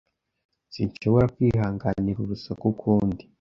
Sinshobora kwihanganira urusaku ukundi.